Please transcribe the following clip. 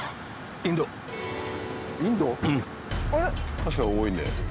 確かに多いね。